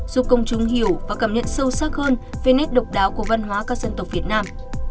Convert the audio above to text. giúp công chúng hiểu và cảm nhận sâu sắc hơn về nét độc đáo của văn hóa các dân tộc việt nam